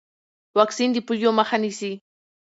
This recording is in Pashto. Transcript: واکسین د پولیو مخه نیسي۔